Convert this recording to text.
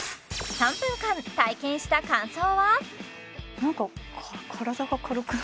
３分間体験した感想は？